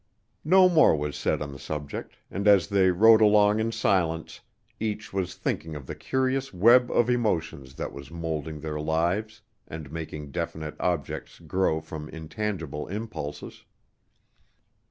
No more was said on the subject, and as they rode along in silence, each was thinking of the curious web of emotions that was moulding their lives and making definite objects grow from intangible impulses.